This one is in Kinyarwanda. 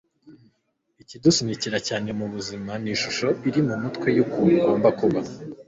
ikidusunikira cyane mu buzima ni ishusho iri mu mutwe w'ukuntu igomba kuba